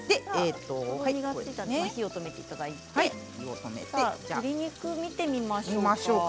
火を止めていただいて鶏肉を見てみましょうか。